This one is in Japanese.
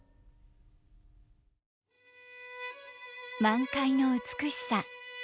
満開の美しさ。